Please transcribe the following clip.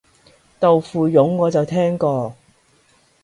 豆腐膶我就聽過